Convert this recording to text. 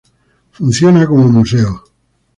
Funciona como museo.